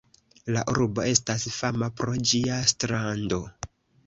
La urbo estas fama pro ĝia strando.